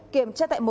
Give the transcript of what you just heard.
kiểm tra tại một